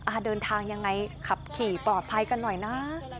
เดินทางยังไงขับขี่ปลอดภัยกันหน่อยนะ